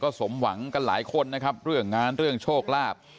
สมหวังกันหลายคนนะครับเรื่องงานเรื่องโชคลาภ